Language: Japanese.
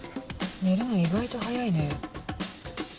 寝るの意外と早いね。